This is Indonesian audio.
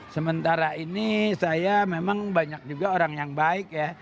sementara ini saya memang banyak juga orang yang baik ya